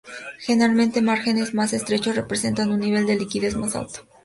Generalmente márgenes más estrechos representan un nivel de liquidez más alto.